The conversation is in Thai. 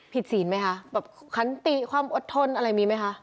ศีลไหมคะแบบคันติความอดทนอะไรมีไหมคะ